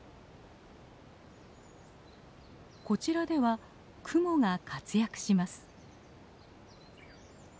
こちらではクモが活躍します。